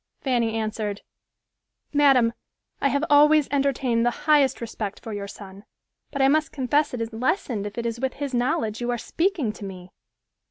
Fanny answered, "Madam, I have always entertained the highest respect for your son, but I must confess it is lessened if it is with his knowledge you are speaking to me."